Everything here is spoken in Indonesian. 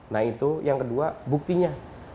nah itu yang kedua buktinya